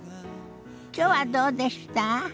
きょうはどうでした？